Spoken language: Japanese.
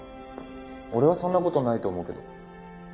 俺はそんな事ないと思うけど。